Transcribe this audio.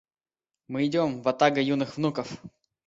Мы идем — ватага юных внуков!